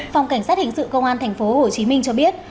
phòng cảnh sát hình sự công an tp hcm cho biết